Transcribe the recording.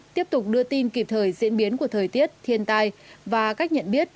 tiếp tục đưa tin kịp thời diễn biến của thời tiết thiên tai và cách nhận biết